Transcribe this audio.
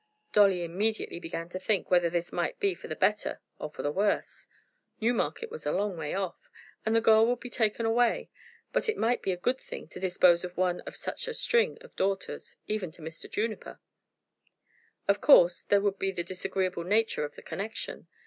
Dolly immediately began to think whether this might be for the better or for the worse. Newmarket was a long way off, and the girl would be taken away; and it might be a good thing to dispose of one of such a string of daughters, even to Mr. Juniper. Of course there would be the disagreeable nature of the connection.